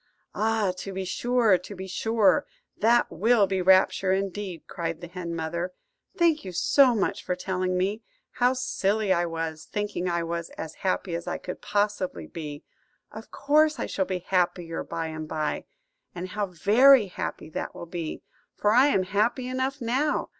"Ah, to be sure, to be sure, that will be rapture, indeed," cried the hen mother. "Thank you so much for telling me! How silly I was, thinking I was as happy as I could possibly be! Of course I shall be happier by and by; and how very happy that will be, for I am happy enough now.